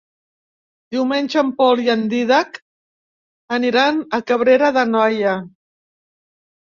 Diumenge en Pol i en Dídac aniran a Cabrera d'Anoia.